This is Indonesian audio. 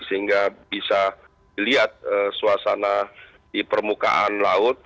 sehingga bisa dilihat suasana di permukaan laut